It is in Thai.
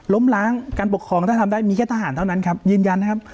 ล้างการปกครองถ้าทำได้มีแค่ทหารเท่านั้นครับยืนยันนะครับ